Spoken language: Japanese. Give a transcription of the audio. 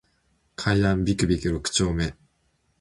階段ビクビク六丁目